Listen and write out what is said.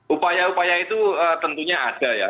upaya upaya itu tentunya ada ya